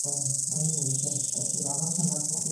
ტექსტს ახლავს იოანე ოქროპირის მინიატიურა.